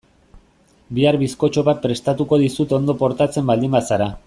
Bihar bizkotxo bat prestatuko dizut ondo portatzen baldin bazara.